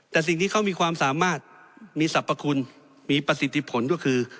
แต่สิ่งที่เขามีความสามารถมีสรรพคุณมีประสิทธิผลก็คือ